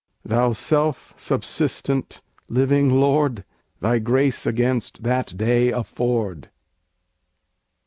Thou Self subsistent, Living Lord! Thy grace against that day afford.